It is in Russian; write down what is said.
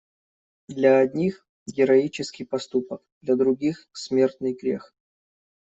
Для одних - героический поступок, для других - смертный грех.